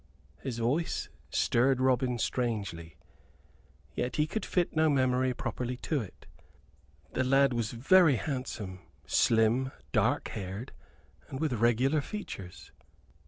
His voice stirred Robin strangely; yet he could fit no memory properly to it. The lad was very handsome, slim, dark haired, and with regular features.